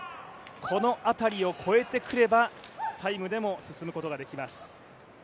この辺りを越えてくればタイムでも進むことができます。